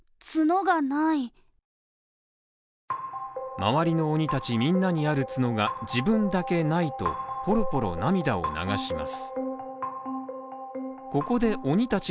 周りの鬼たちみんなにある角が自分だけないと、ポロポロ涙を流します